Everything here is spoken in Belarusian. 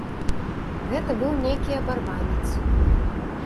Гэта быў нейкі абарванец.